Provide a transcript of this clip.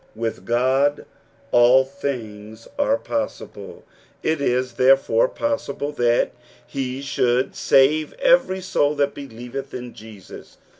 "With God all things are possible : it is therefore possible that he should save every soul that believeth in Jesus.